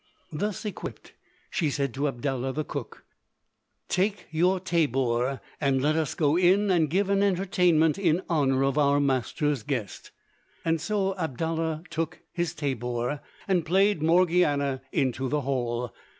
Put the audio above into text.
Thus equipped, she said to Abdallah the cook, "Take your tabor and let us go in and give an entertainment in honour of our master's guest." So Abdallah took his tabor, and played Morgiana into the hall.